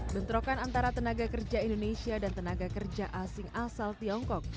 bentrokan antara tenaga kerja indonesia dan tenaga kerja asing asal tiongkok